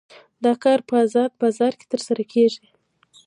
دا کار په ازاد بازار کې ترسره کیږي.